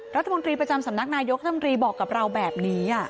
รัฐมนตรีประจำสำนักนายกรัฐมนตรีบอกกับเราแบบนี้